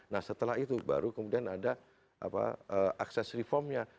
nah setelah itu baru kemudian ada akses reformnya